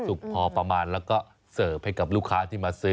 พอประมาณแล้วก็เสิร์ฟให้กับลูกค้าที่มาซื้อ